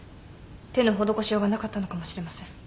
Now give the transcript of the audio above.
手の施しようがなかったのかもしれません。